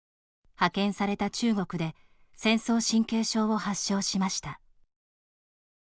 派遣された中国で戦争神経症を発症しました。